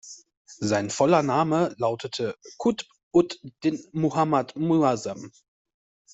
Sein voller Name lautete "Qutb ud-Din Muhammad Mu’azzam".